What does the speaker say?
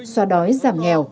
so đói giảm nghèo